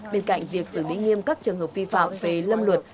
bên cạnh việc xử lý nghiêm các trường hợp vi phạm về lâm luật